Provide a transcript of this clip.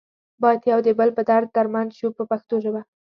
باید یو د بل په درد دردمند شو په پښتو ژبه.